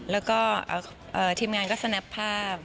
แล้วก็ทีมงานก็สแนปภาพ